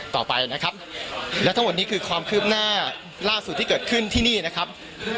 ต่อไปนะครับและทั้งหมดนี้คือความคืบหน้าล่าสุดที่เกิดขึ้นที่นี่นะครับ